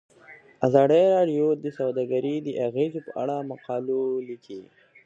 ازادي راډیو د سوداګري د اغیزو په اړه مقالو لیکلي.